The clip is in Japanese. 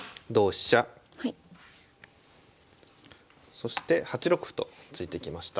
そして８六歩と突いてきました。